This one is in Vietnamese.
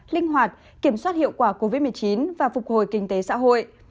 linh hoạt kiểm soát hiệu quả covid một mươi chín và phục hồi kinh tế xã hội